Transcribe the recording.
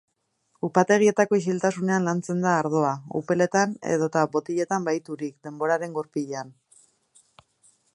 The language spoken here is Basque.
Upategietako isiltasunean lantzen da ardoa, upeletan edota botiletan bahiturik, denboraren gurpilean.